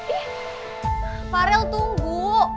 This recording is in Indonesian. ih farel tunggu